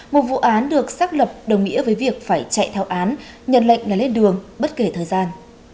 một vụ án được xác lập đồng nghĩa với việc phải chạy theo án nhận lệnh là lên đường bất kể thời gian